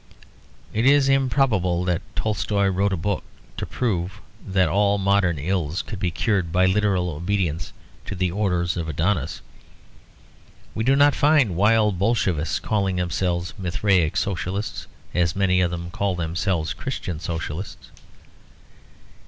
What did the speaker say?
It is improbable that Tolstoy wrote a book to prove that all modern ills could be cured by literal obedience to all the orders of Adonis. We do not find wild Bolshevists calling themselves Mithraic Socialists as many of them call themselves Christian Socialists.